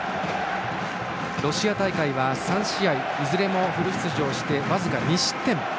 ロシア大会は３試合いずれもフル出場して僅か２失点。